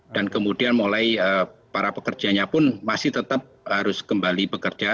dan kemudian mulai para pekerjanya pun masih tetap harus kembali bekerja